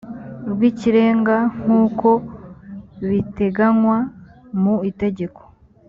rw ikirenga nk uko biteganywa mu itegeko